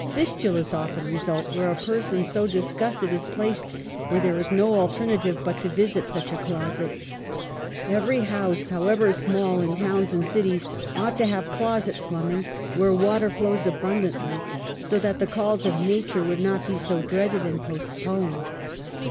Fistulas often result where a person so disgusted is placed where there is no alternative but to visit such a closet. Every house however small in towns and cities ought to have closet plumbing where water flows abundantly, so that the calls of nature would not be so dreaded and postponed.